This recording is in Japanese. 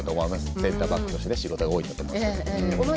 センターバック仕事が多いかと思いますので。